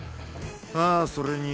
ああそれに。